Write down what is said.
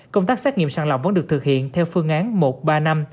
công tác xác nghiệm sàng lọc vẫn được thực hiện theo phương án một ba năm